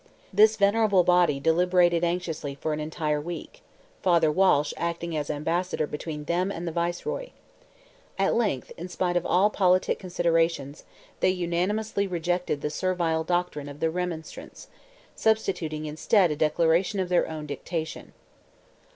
This venerable body deliberated anxiously for an entire week, Father Walsh acting as ambassador between them and the Viceroy; at length, in spite of all politic considerations, they unanimously rejected the servile doctrine of the "Remonstrance," substituting instead a declaration of their own dictation.